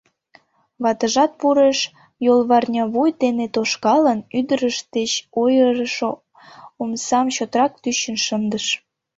Ватыжат пурыш — йолварнявуй дене тошкалын, ӱдырышт деч ойырышо омсам чотрак тӱчын шындыш.